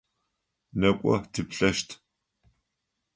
Некӏо тыплъэщт!